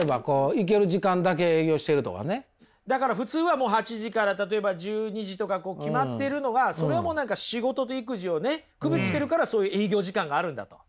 例えばだから普通はもう８時から例えば１２時とか決まってるのがそれをもう仕事と育児をね区別してるからそういう営業時間があるんだと。